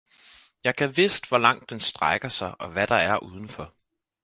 Jeg gad vidst hvor langt den strækker sig og hvad der er udenfor